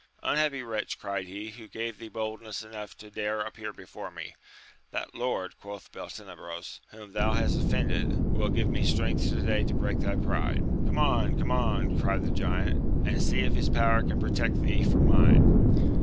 Unhappy wretch! cried he, who gave thee boldness enough to dare ap pear before me ] That Lord, quoth Beltenebros, whom thou hast offended, who will give me strength to day to break thy pride. Come on ! come on ! cried the giant, and see if his power can protect thee from mine!